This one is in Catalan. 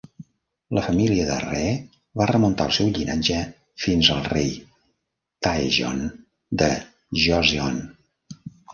La família de Rhee va remuntar el seu llinatge fins al rei Taejong de Joseon.